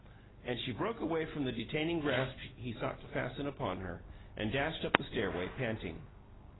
And she broke away from the detaining grasp he sought to fasten upon her, and dashed up the stairway, panting.